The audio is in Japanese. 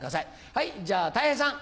はいじゃあたい平さん。